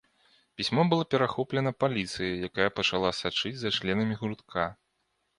Пісьмо было перахоплена паліцыяй, якая пачала сачыць за членамі гуртка.